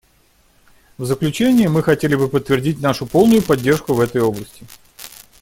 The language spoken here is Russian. В заключение мы хотели бы подтвердить нашу полную поддержку в этой области.